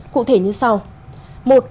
cụ thể như sau